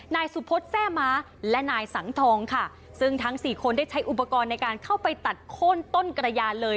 นายสุพธิ์แซ่ม้าและนายสังทองค่ะซึ่งทั้งสี่คนได้ใช้อุปกรณ์ในการเข้าไปตัดโค้นต้นกระยานเลย